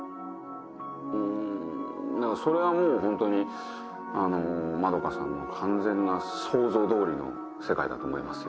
うんそれはもうホントにマドカさんの完全な想像通りの世界だと思いますよ。